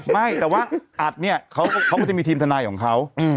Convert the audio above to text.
ไม่แต่ว่าอาจนี่เขาก็จะมีทีมธนาฬิกส์ของเขา